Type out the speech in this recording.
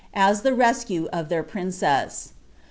the rescue of their princ«Bs.